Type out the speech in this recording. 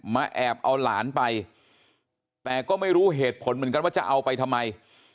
แอบเอาหลานไปแต่ก็ไม่รู้เหตุผลเหมือนกันว่าจะเอาไปทำไม